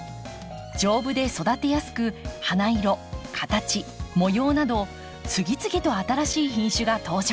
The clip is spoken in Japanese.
丈夫で育てやすく花色形模様など次々と新しい品種が登場。